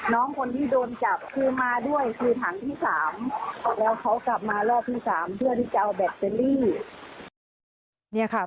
นี่ค่ะ